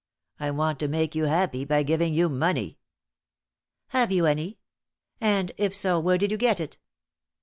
"I want to make you happy by giving you money." "Have you any? And, if so, where did you get it?"